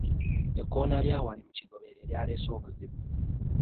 Ekkoono lya wali mu Kigobe lye lyaleese obuzibu.